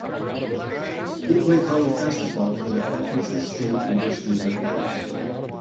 She played college basketball for the Arkansas State University Red Wolves.